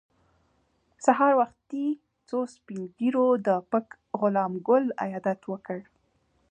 سهار وختي څو سپین ږیرو د پک غلام ګل عیادت وکړ.